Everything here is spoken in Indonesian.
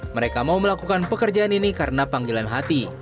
mereka mau melakukan pekerjaan ini karena panggilan hati